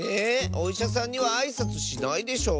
おいしゃさんにはあいさつしないでしょ？